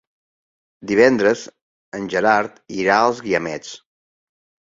Divendres en Gerard irà als Guiamets.